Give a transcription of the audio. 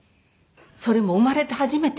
それも生まれて初めて。